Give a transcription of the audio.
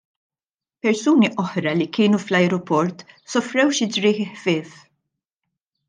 Persuni oħra li kienu fl-ajruport sofrew xi ġrieħi ħfief.